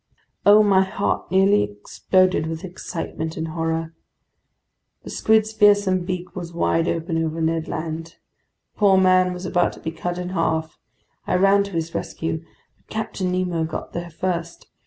Oh, my heart nearly exploded with excitement and horror! The squid's fearsome beak was wide open over Ned Land. The poor man was about to be cut in half. I ran to his rescue. But Captain Nemo got there first.